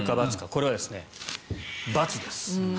これは×です。